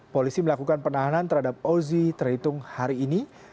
polisi melakukan penahanan terhadap ozi terhitung hari ini